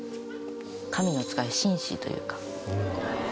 神の使い神使というか。